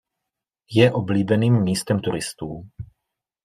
Je oblíbeným místem turistů.